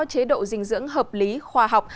chế độ dinh dưỡng hợp lý khoa học